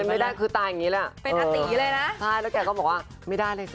เออตาติรึงไปเลยเป็นอติร์เลยนะใช่ก็บอกไม่ได้เลย